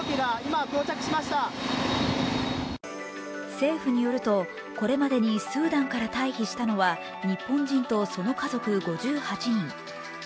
政府によると、これまでにスーダンから退避したのは日本人とその家族５８人。